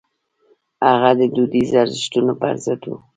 هغه د دودیزو ارزښتونو پر ضد و.